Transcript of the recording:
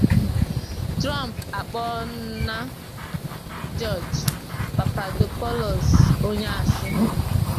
Trump akpọna George Papadopoulos onye ashị